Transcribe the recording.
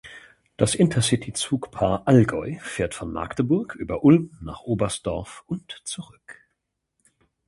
Das Intercity-Zugpaar "Allgäu" fährt von Magdeburg über Ulm nach Oberstdorf und zurück.